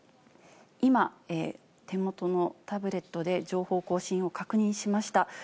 今、手元のタブレットで情報更新を確認しました。